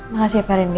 makasih ya pak rindy